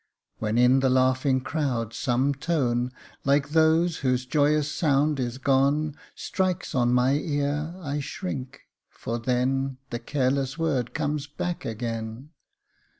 When in the laughing crowd some tone, Like those whose joyous sound is gone, Strikes on my ear, I shrink for then The careless word comes back again.